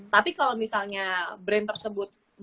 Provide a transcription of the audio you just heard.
tapi kalau misalnya brand tersebut